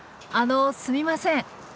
あのすみません